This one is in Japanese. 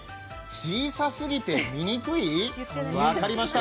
小さすぎて見にくい？分かりました。